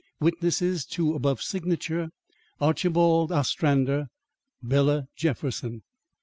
Witnesses to above signature, ARCHIBALD OSTRANDER, BELA JEFFERSON.